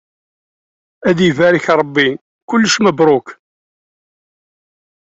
Ad ibarek Rebbi, kullec mebruk.